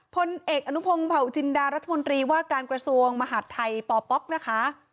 พลเอกอนุพงศ์เผาจินดารัฐมนตรีว่าการกระทรวงมหาดไทยปป๊อกนะคะ